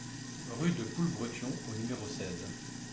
Rue de Poulbretion au numéro seize